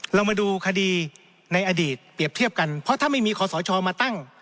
เรามาดูคดีในอดีตเปรียบเทียบกันเพราะถ้าไม่มีคอสชมาตั้ง